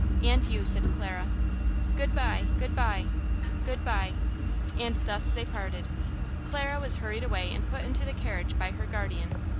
"And you," said Clara. "Good by!–good by!" "Good by!" And thus they parted. Clara was hurried away and put into the carriage by her guardian.